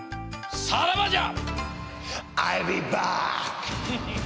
さらばじゃ！